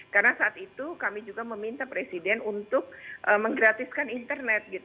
karena saat itu kami juga meminta presiden untuk menggratiskan internet